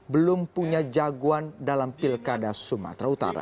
belum punya jagoan dalam pilkada sumatera utara